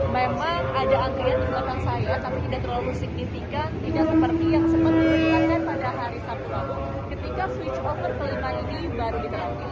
memang ada antrian di belakang saya tapi tidak terlalu signifikan tidak seperti yang sempat dilayangkan pada hari sabtu lalu ketika switch over kelima ini baru kita lanjutkan